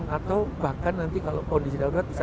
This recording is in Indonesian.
atau bahkan nanti kalau kondisi darurat bisa